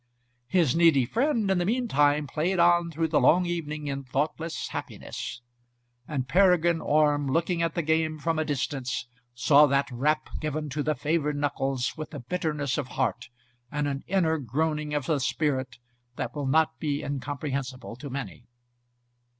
His needy friend in the mean time played on through the long evening in thoughtless happiness; and Peregrine Orme, looking at the game from a distance, saw that rap given to the favoured knuckles with a bitterness of heart and an inner groaning of the spirit that will not be incomprehensible to many.